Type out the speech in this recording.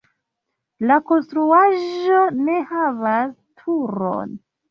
La konstruaĵo ne havas turon.